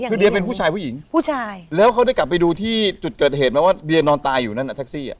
คือเดียเป็นผู้ชายผู้หญิงผู้ชายแล้วเขาได้กลับไปดูที่จุดเกิดเหตุไหมว่าเดียนอนตายอยู่นั่นอ่ะแท็กซี่อ่ะ